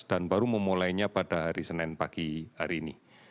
dan baru memulainya pada hari senin pagi hari ini